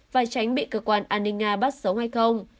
và tránh bị cơ quan an ninh nga bắt sống hay không